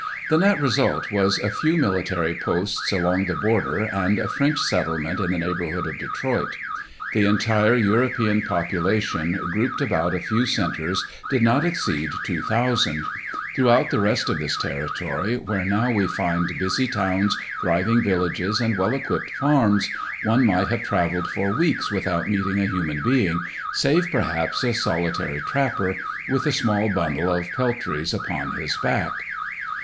The net result was a few military posts along the border and a French settlement in the neighbourhood of Detroit. The entire European population grouped about a few centres did not exceed 2,000. Throughout the rest of this territory, where now we find busy towns, thriving villages, and well equipped farms, one might have travelled for weeks without meeting a human being, save, perhaps, a solitary trapper, with a small bundle of peltries upon his back.